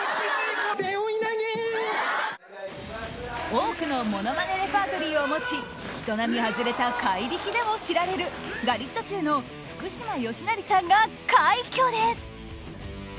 多くのものまねレパートリーを持ち人並み外れた怪力でも知られるガリットチュウの福島善成さんが快挙です。